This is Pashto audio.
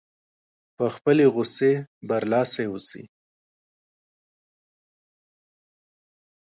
په خپلې غوسې برلاسی اوسي.